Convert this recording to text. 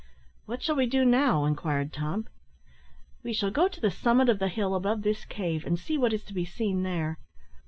"What shall we do now?" inquired Tom. "We shall go to the summit of the hill above this cave, and see what is to be seen there.